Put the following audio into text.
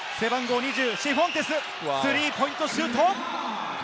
シフォンテス、スリーポイントシュート。